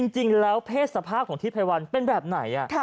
จริงแล้วเพศสภาพของทิพัยวัลเป็นแบบไหน